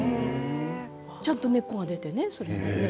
ちょっと根っこが出てね。